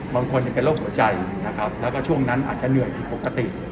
บางคนเป็นโรคหัวใจนะครับแล้วก็ช่วงนั้นอาจจะเหนื่อยผิดปกติ